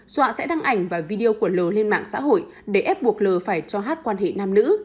dọa sẽ đăng ảnh và video của l lên mạng xã hội để ép buộc lờ phải cho hát quan hệ nam nữ